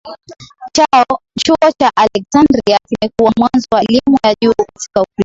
Chuo cha Aleksandria kimekuwa mwanzo wa elimu ya juu katika Ukristo